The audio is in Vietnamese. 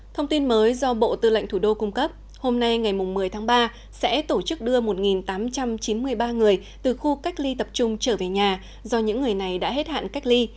thông tin mới do bộ tư lệnh thủ đô cung cấp hôm nay ngày một mươi tháng ba sẽ tổ chức đưa một tám trăm chín mươi ba người từ khu cách ly tập trung trở về nhà do những người này đã hết hạn cách ly